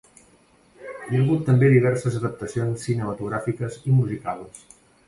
Hi ha hagut també diverses adaptacions cinematogràfiques i musicals.